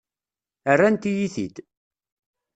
Rrant-iyi-t-id.